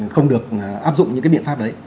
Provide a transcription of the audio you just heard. không được áp dụng những cái biện pháp đấy